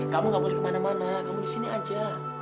kamu gak boleh kemana mana kamu disini aja